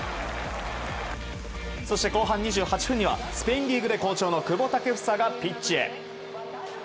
そして後半２８分にはスペインリーグで好調の久保建英がピッチへ。